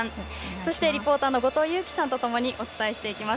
そして、リポーターの後藤佑季さんとともにお伝えしていきます。